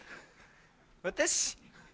私。